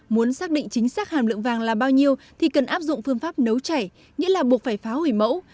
muốn xác định chính xác hàm lượng vàng là bao nhiêu thì cần áp dụng phương pháp nấu chảy nghĩa là buộc phải phá hủy mẫu